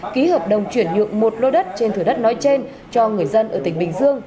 ký hợp đồng chuyển nhượng một lô đất trên thửa đất nói trên cho người dân ở tỉnh bình dương